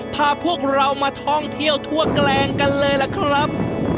พาพวกเรามาท่องเที่ยวทั่วแกลงกันเลยล่ะครับ